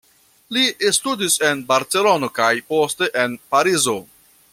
Li studis en Barcelono kaj poste en Parizo.